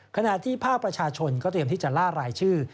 ขณะที่ภาคประชาชนก็เตรียมที่จะล่ารายชื่อ